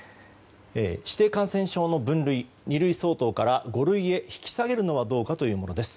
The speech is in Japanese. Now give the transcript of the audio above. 指定感染症の分類を二類相当から五類へ引き下げるのはどうかというものです。